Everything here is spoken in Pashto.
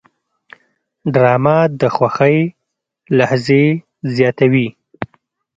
ډرامه د خوښۍ لحظې زیاتوي